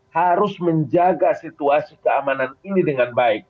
harus menjaga situasi keamanan ini dengan baik